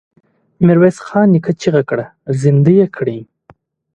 ميرويس خان چيغه کړه! زندۍ يې کړئ!